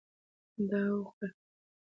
دا وخوره !